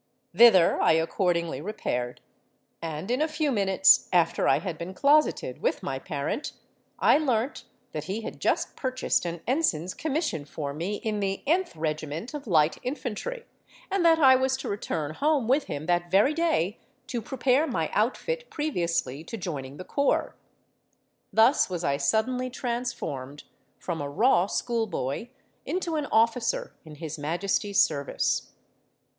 Thither I accordingly repaired; and in a few minutes after I had been closeted with my parent, I learnt that he had just purchased an ensign's commission for me in the —th regiment of Light Infantry, and that I was to return home with him that very day to prepare my outfit previously to joining the corps. Thus was I suddenly transformed from a raw school boy into an officer in His Majesty's service.